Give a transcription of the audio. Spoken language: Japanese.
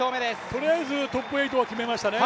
とりあえずトップ８は決めましたね。